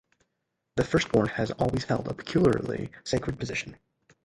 The firstborn has always held a peculiarly sacred position.